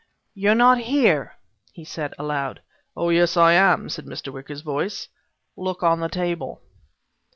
"You're not here," he said aloud. "Oh, yes, I am," said Mr. Wicker's voice. "Look on the table."